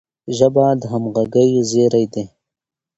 ژبه د همږغی زیری دی.